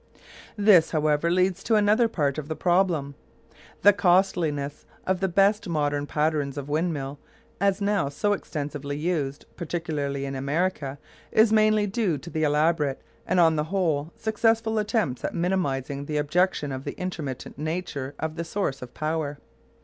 This, however, leads to another part of the problem. The costliness of the best modern patterns of windmill as now so extensively used, particularly in America, is mainly due to the elaborate, and, on the whole, successful attempts at minimising the objection of the intermittent nature of the source of power.